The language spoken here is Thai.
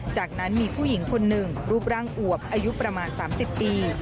จากนั้นมีผู้หญิงคนหนึ่งรูปร่างอวบอายุประมาณ๓๐ปี